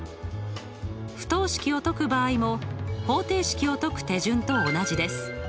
不等式を解く場合も方程式を解く手順と同じです。